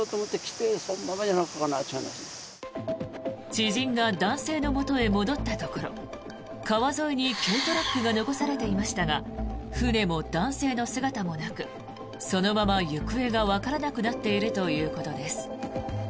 知人が男性のもとへ戻ったところ川沿いに軽トラックが残されていましたが船も男性の姿もなくそのまま行方がわからなくなっているということです。